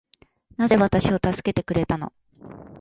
なぜ私を助けてくれたの